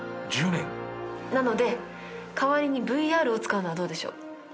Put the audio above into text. なので代わりにＶＲを使うのはどうでしょう？